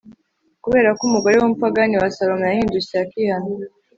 kubera ko umugore w'umupagani wa salomo yahindukiye akihana